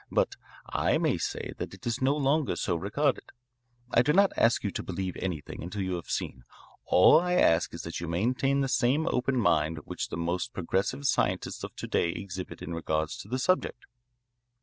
But I may say that it is no longer so regarded. I do not ask you to believe anything until you have seen; all I ask is that you maintain the same open mind which the most progressive scientists of to day exhibit in regard to the subject."